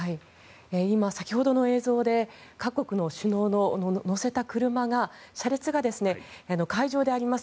今、先ほどの映像で各国首脳を乗せた車の車列が会場であります